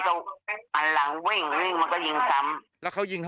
ก็ชักปืนยิงเลย